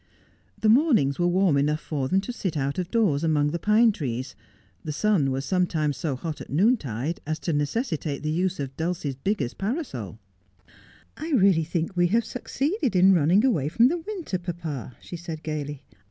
The mornings were warm enough for them to sit out of doors among the pine trees ; the sun was sometimes so hot at noontide as to necessitate the use of Dulcie's biggest parasoL ' I really think we have succeeded in running away from the winter, papa,' she said gaily.